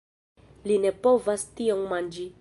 Li ne povas tion manĝi!